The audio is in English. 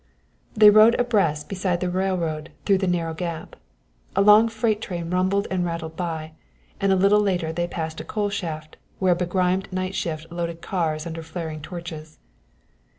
They rode abreast beside the railroad through the narrow gap. A long freight train rumbled and rattled by, and a little later they passed a coal shaft, where a begrimed night shift loaded cars under flaring torches.